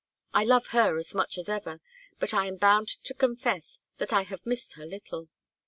I love her as much as ever, but I am bound to confess that I have missed her little.